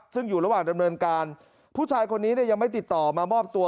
ซึ่งอยู่ระหว่างดำเนินการผู้ชายคนนี้เนี่ยยังไม่ติดต่อมามอบตัว